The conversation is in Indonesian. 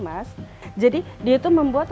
mas jadi dia itu membuat